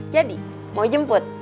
jadi mau jemput